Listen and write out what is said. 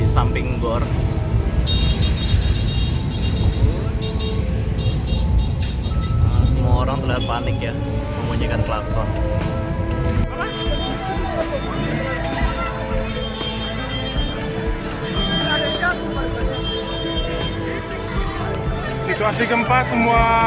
samping gor semua orang sudah panik ya memunyakan klakson situasi gempa semua